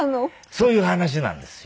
そういう話なんですよ。